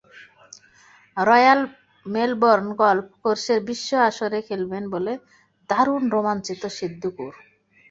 Royal Melbourne Golf কোর্সের বিশ্ব আসরে খেলবেন বলে দারুণ রোমাঞ্চিত সিদ্দিকুর।